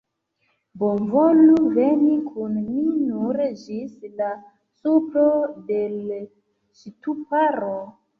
Bonvolu veni kun mi, nur ĝis la supro de l' ŝtuparo.